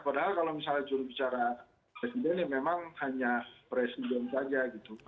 padahal kalau misalnya jurubicara presiden ya memang hanya presiden saja gitu